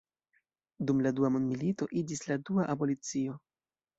Dum la Dua mondmilito iĝis la dua abolicio.